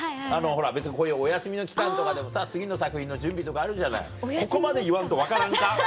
こういうお休みの期間とかでもさ次の作品の準備とかあるじゃないここまで言わんと分からんか？